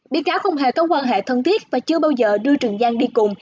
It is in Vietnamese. bị cáo không hề có quan hệ thân thiết và chưa bao giờ đưa trường giang đi cùng